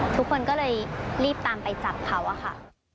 ทุกคนก็เลยรีบตามไปจับเขาอะค่ะ